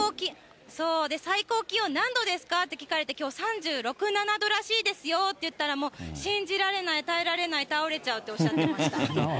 最高気温何度ですかって聞かれて、きょう３６、７度らしいですよって言ったら、もう信じられない、耐えられない、倒れちゃうっておっしゃってました。